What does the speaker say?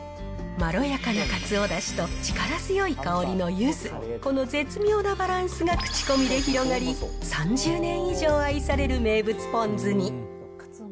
まろやかなカツオだしと力強い香りのゆず、この絶妙なバランスが口コミで広がり、３０年以上愛される名物ポン酢に。